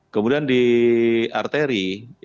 kemudian di arteri